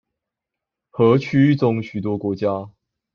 和區域中許多國家